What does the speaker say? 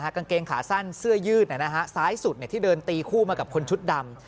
กางเกงขาสั้นเสื้อยืดซ้ายสุดที่เดินตีคู่มากับคนชุดดำ